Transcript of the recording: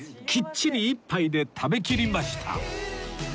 きっちり１杯で食べきりました